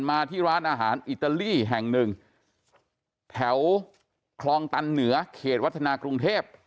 มาที่ร้านอาหารอิตาลีแห่งหนึ่งแถวคลองตันเหนือเขตวัฒนากรุงเทพ